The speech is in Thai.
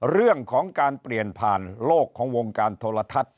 เรื่องของการเปลี่ยนผ่านโลกของวงการโทรทัศน์